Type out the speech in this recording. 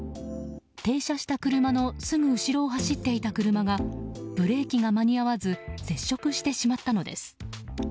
停車した車のすぐ後ろを走っていた車がブレーキが間に合わず接触してしまったのです。